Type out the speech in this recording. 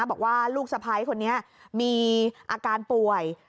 บอกว่าลูกสะพ้ายคนนี้มีอาการป่วย